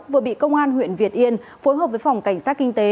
vừa bị công an huyện việt yên phối hợp với phòng cảnh sát kinh tế